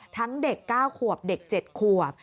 ทั้งเด็ก๙ขวบเด็ก๗ขวบ